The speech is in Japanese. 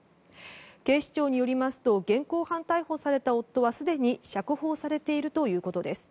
警視庁によりますと現行犯逮捕された夫はすでに釈放されているということです。